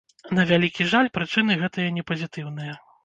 На вялікі жаль, прычыны гэтыя не пазітыўныя.